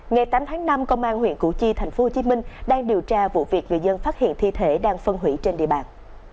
ngày tám tháng năm công an huyện củ chi tp hcm đang điều tra vụ việc người dân phát hiện thi thể đang phân hủy trên địa bàn